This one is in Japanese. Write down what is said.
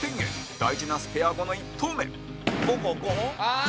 大事なスペア後の１投目村上：ああー！